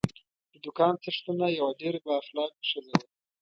د دوکان څښتنه یوه ډېره با اخلاقه ښځه وه.